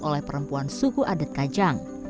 oleh perempuan suku adat kajang